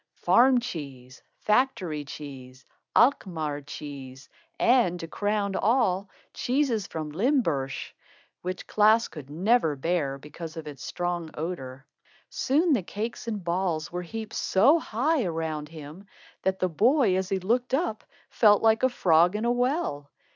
Farm cheese, factory cheese, Alkmaar cheese, and, to crown all, cheese from Limburg which Klaas never could bear, because of its strong odor. Soon the cakes and balls were heaped so high around him that the boy, as he looked up, felt like a frog in a well.